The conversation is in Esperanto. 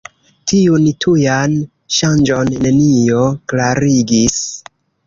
Tiun tujan ŝanĝon nenio klarigis.